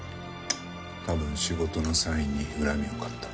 多分仕事の際に恨みを買った。